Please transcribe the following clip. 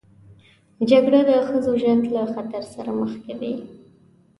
جګړه د ښځو ژوند له خطر سره مخ کوي